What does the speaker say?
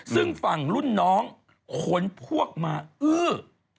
ซึ่งฝั่งรุ่นน้องขนพวกมาอื้อ